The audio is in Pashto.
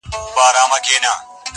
د ښايسته ساقي په لاس به جام گلنار وو-